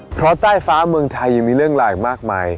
เพราะใต้ฟ้าเมืองไทยยังมีเรื่องราวอีกมากมาย